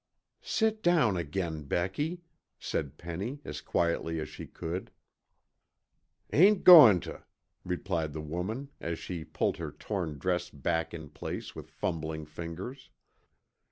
"Sit down again, Becky," said Penny as quietly as she could. "Ain't goin' tuh," replied the woman as she pulled her torn dress back in place with fumbling fingers.